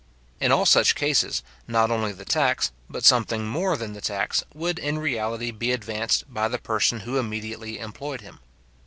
In all such cases, not only the tax, but something more than the tax, would in reality be advanced by the person who immediately employed him.